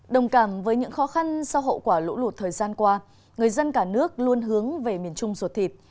đồng cảm với những khó khăn sau hậu quả lũ lụt thời gian qua người dân cả nước luôn hướng về miền trung ruột thịt